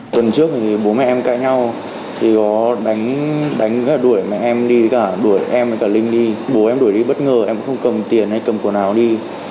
tuần trước bố mẹ em cãi nhau đánh đuổi mẹ em đi đuổi em và linh đi bố em đuổi đi bất ngờ em cũng không cầm tiền hay cầm quần áo đi